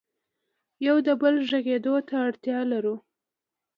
یو بل ته غږېدلو ته اړتیا لرو.